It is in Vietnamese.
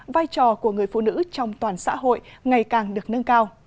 vai trò của người phụ nữ trong toàn xã hội ngày càng được nâng cao